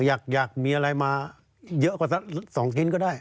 อยากมีอะไรมาเยอะกว่าสัก๒ชิ้นก็ได้